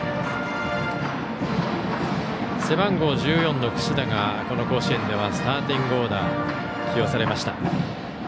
背番号１４の櫛田がこの甲子園ではスターティングオーダーに起用されました。